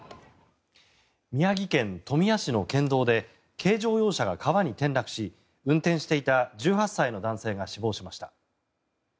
宮城県富谷市の県道で軽乗用車が川に転落し運転していた１８歳の男性が死亡しました。